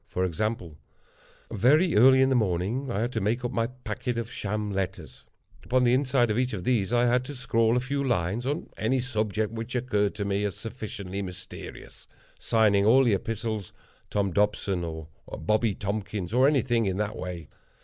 For example:—very early in the morning I had to make up my packet of sham letters. Upon the inside of each of these I had to scrawl a few lines on any subject which occurred to me as sufficiently mysterious—signing all the epistles Tom Dobson, or Bobby Tompkins, or anything in that way.